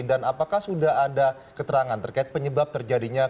dan apakah sudah ada keterangan terkait penyebab terjadinya kerumahan